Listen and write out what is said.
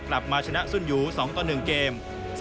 กลับมาชนะสุนยู๒ต่อ๑เกม